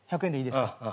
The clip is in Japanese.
１００円でいいですか？